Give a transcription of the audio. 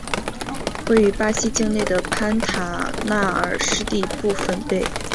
位于巴西境内的潘塔纳尔湿地部份被划为潘塔纳尔马托格罗索国家公国并加以保护。